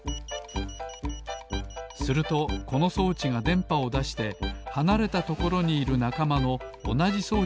するとこのそうちがでんぱをだしてはなれたところにいるなかまのおなじそうちにつたわります